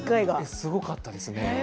すごかったですね